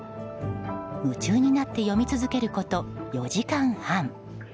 夢中になって読み続けること４時間半。